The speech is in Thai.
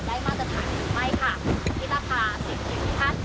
ได้มาตรฐานใหม่ค่ะนี่แหละค่ะสวัสดีค่ะ